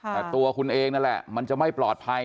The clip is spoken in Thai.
แต่ตัวคุณเองนั่นแหละมันจะไม่ปลอดภัย